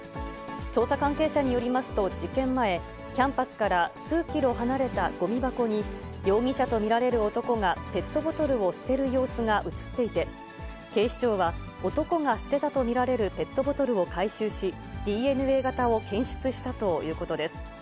捜査関係者によりますと、事件前、キャンパスから数キロ離れたごみ箱に、容疑者と見られる男がペットボトルを捨てる様子が写っていて、警視庁は男が捨てたと見られるペットボトルを回収し、ＤＮＡ型を検出したということです。